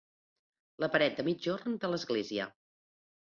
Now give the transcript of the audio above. La paret de migjorn de l'església.